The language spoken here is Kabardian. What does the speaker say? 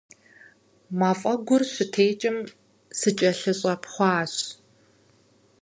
Мафӏэгур щытекӏым, сыкӏэлъыщӏэпхъуащ.